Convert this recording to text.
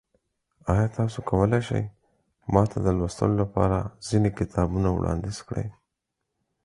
ایا تاسو کولی شئ ما ته د لوستلو لپاره ځینې کتابونه وړاندیز کړئ؟